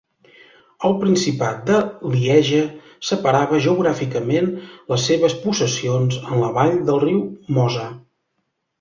El principat de Lieja separava geogràficament les seves possessions en la vall del riu Mosa.